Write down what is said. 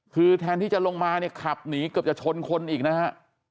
คือแทนที่จะลงมาเนี่ยขับหนีเกือบจะชนคนอีกนะฮะ